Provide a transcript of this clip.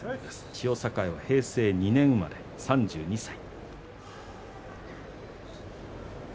千代栄は平成２年生まれ３２歳。